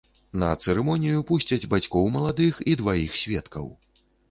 На цырымонію пусцяць бацькоў маладых і дваіх сведкаў.